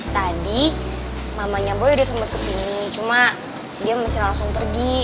tadi mamanya boy dia sempat kesini cuma dia masih langsung pergi